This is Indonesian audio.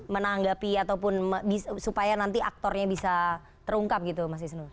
menanggapi ataupun supaya nanti aktornya bisa terungkap gitu mas isnu